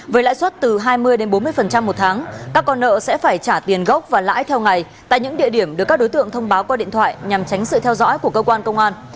với lãi suất từ hai mươi bốn mươi một tháng các con nợ sẽ phải trả tiền gốc và lãi theo ngày tại những địa điểm được các đối tượng thông báo qua điện thoại nhằm tránh sự theo dõi của cơ quan công an